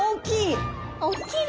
大きい。